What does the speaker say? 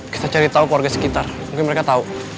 kita cari tau keluarga sekitar mungkin mereka tau